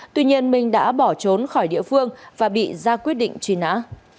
tuy nhiên minh đã bỏ trốn khỏi địa phương và bị ra quyết định truy nã